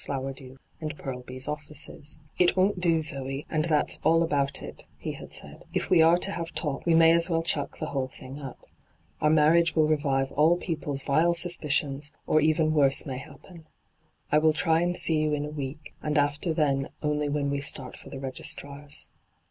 Flowerdew and Purlby's offices. hyGoo>^lc ENTRAPPED 129 ' It won't do, Zoe, and that's all about it/ he had said. ' If we are to have taXk, we may aa well chuck the whole thing up. Our marriage will revive all people's vile suspicions, or even worse may happen. I will tiy and see you in a week, and after then only when we start for the registrar's.'